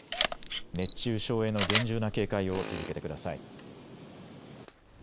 熱中症への厳重な警戒を続けてください。